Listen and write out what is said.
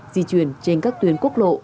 di chuyển trên các tuyến quốc lộ